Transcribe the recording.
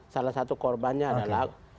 salah satu korbannya adalah